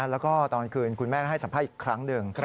แล้วก็ตอนคืนคุณแม่ก็ให้สัมภาษณ์อีกครั้งหนึ่ง